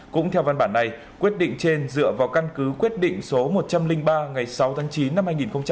cũng theo văn bản này quyết định trên dựa vào căn cứ quyết định số một trăm linh ba ngày sáu tháng chín năm hai nghìn một mươi ba